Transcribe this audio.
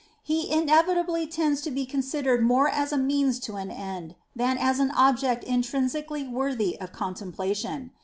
He inevitably tends to be considered more as a means to an end, than as an object intrinsically worthy of contemplation.